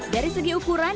dari segi ukuran